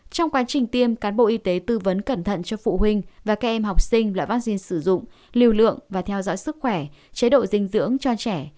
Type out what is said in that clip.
trong quá trình tiêm cán bộ y tế tư vấn cẩn thận cho phụ huynh và các em học sinh loại vaccine sử dụng liều lượng và theo dõi sức khỏe chế độ dinh dưỡng cho trẻ